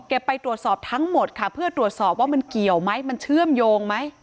ไปตรวจสอบทั้งหมดค่ะเพื่อตรวจสอบว่ามันเกี่ยวไหมมันเชื่อมโยงไหม